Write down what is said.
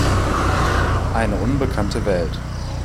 Eine unbekannte Welt.